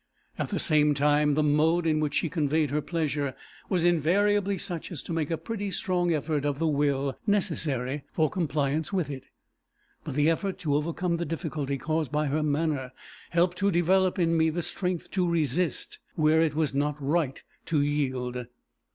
At the same time, the mode in which she conveyed her pleasure, was invariably such as to make a pretty strong effort of the will necessary for compliance with it. But the effort to overcome the difficulty caused by her manner, helped to develop in me the strength to resist where it was not right to yield.